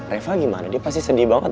reva gimana dia pasti sedih banget